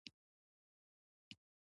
ګاز د افغانانو د ګټورتیا برخه ده.